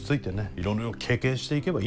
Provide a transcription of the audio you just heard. いろいろ経験していけばいいんだよ。